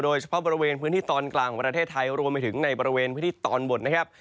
โดยเฉพาะบริเวณพื้นที่ตอนกลางของประเทศไทยรวมไปถึงในบริเวณพื้นที่ตอนบนนะครับ